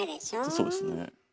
そうですね。